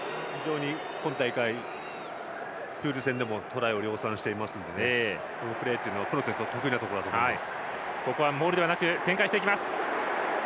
今大会、プール戦でもトライを量産していますのでこのプレーというのは、プノ選手得意なところだと思います。